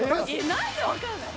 何でわかんない？